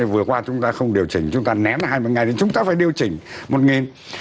vừa qua chúng ta không điều chỉnh chúng ta nén hai mươi ngày thì chúng ta phải điều chỉnh một nghìn